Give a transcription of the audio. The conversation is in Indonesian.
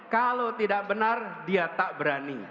kalau tidak benar dia tak berani